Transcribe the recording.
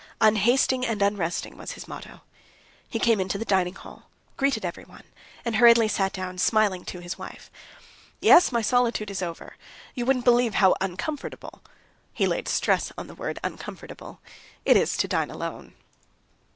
"Unhasting and unresting," was his motto. He came into the dining hall, greeted everyone, and hurriedly sat down, smiling to his wife. "Yes, my solitude is over. You wouldn't believe how uncomfortable" (he laid stress on the word uncomfortable) "it is to dine alone."